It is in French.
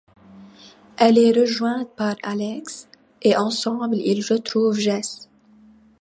Elle est rejointe par Alex, et ensemble ils retrouvent Jesse.